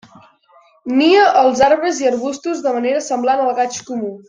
Nia als arbres i arbustos de manera semblant al gaig comú.